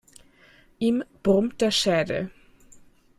Ihm brummt der Schädel.